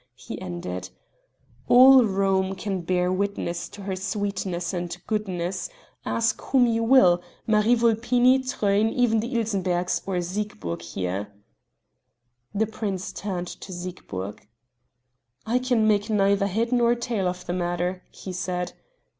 he ended, "all Rome can bear witness to her sweetness and goodness; ask whom you will Marie Vulpini, Truyn, even the Ilsenberghs or Siegburg here." The prince turned to Siegburg. "I can make neither head nor tail of the matter," he said.